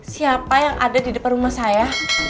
siapa yang ada di depan rumah saya